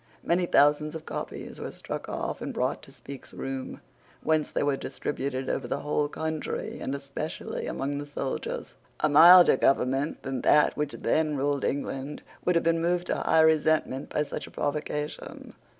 Many thousands of copies were struck off and brought to Speke's room, whence they were distributed over the whole country, and especially among the soldiers. A milder government than that which then ruled England would have been moved to high resentment by such a provocation.